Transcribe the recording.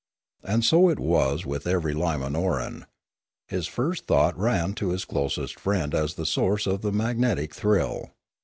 And so it was with every Limanoran; his first thought ran to his closest friend as the source of the magnetic thrill.